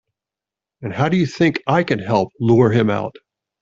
And how do you think I can help lure him out?